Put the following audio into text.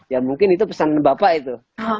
ya mungkin itu pesan bapak itu